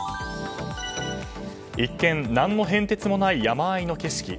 一見何の変哲もない山あいの景色。